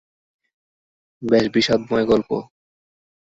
বেশ বিষাদময় গল্প।